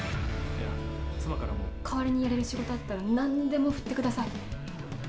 代わりにやれる仕事があったら何でも振ってください。